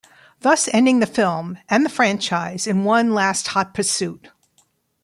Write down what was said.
Thus ending the film, and the franchise, in one last hot pursuit.